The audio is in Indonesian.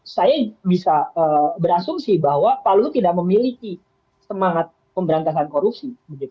saya bisa berasumsi bahwa pak luhut tidak memiliki semangat pemberantasan korupsi